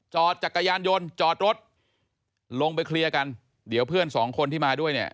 จอดจักรยานยนต์จอดรถลงไปเคลียร์กันเดี๋ยวเพื่อนสองคนที่มาด้วยเนี่ย